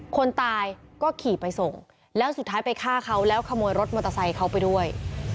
คนตายก็ขี่ไปส่งแล้วสุดท้ายไปฆ่าเขาแล้วขโมยรถมอเตอร์ไซค์เขาไปด้วย